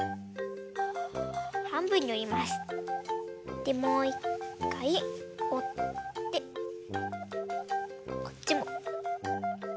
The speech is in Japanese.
でもういっかいおってこっちも。